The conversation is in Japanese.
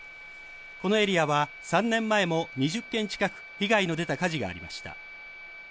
このエリアは３年前も２０軒近く被害の出た火事がありました。